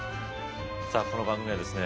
さあこの番組はですね